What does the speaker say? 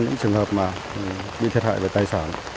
những trường hợp mà bị thiệt hại về tài sản